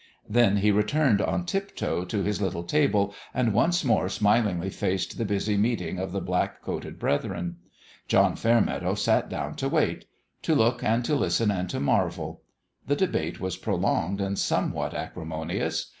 Then he returned on tiptoe to his little table and once more smilingly faced the busy meeting of the black coated brethren. John Fairmeadow sat down to wait to look and to listen and to marvel. The debate was prolonged and somewhat acrimonious.